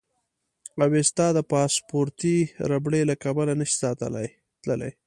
اوېستا د پاسپورتي ربړې له کبله نه شي تللی.